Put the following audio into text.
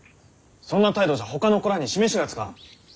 そんな態度じゃほかの子らに示しがつかん。